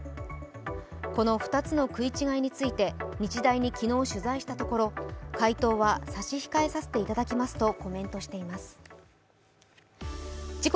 この２つの食い違いについて日大に昨日取材したところ回答は差し控えさせていただきますとコメントしています。